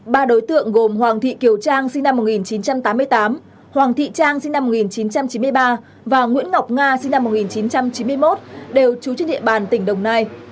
ba đối tượng gồm hoàng thị kiều trang sinh năm một nghìn chín trăm tám mươi tám hoàng thị trang sinh năm một nghìn chín trăm chín mươi ba và nguyễn ngọc nga sinh năm một nghìn chín trăm chín mươi một đều trú trên địa bàn tỉnh đồng nai